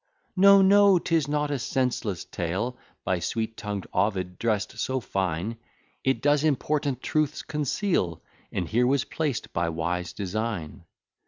No, no, 'tis not a senseless tale, By sweet tongued Ovid dress'd so fine; It does important truths conceal, And here was placed by wise design.